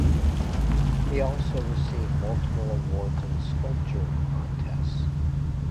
He also received multiple awards in sculpture contests.